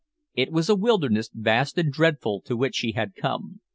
It was a wilderness vast and dreadful to which she had come.